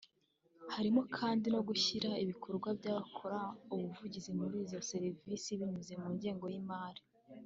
Harimo kandi no gushyigikira ibikorwa by’abakora ubuvugizi muri izo serivisi binyuze mu ngengo y’ imari